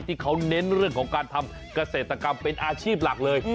ที่เขาเน้นเรื่องของการทำเกษตรกรรมเป็นอาชีพหลักเลย